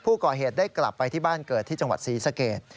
ผู้ก่อเหตุได้กลับไปที่บ้านเกิดที่จังหวัดศรีสเกต